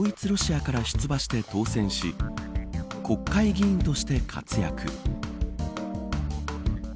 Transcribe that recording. ロシアから出馬して当選し国会議員として活躍。